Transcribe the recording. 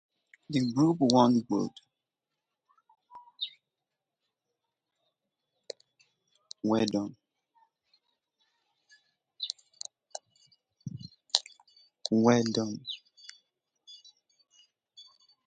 The group won gold discs for three of their singles.